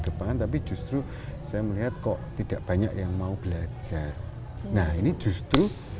depan tapi justru saya melihat kok tidak banyak yang mau belajar nah ini justru